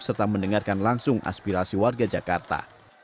serta mendengarkan langsung aspirasi warga jakarta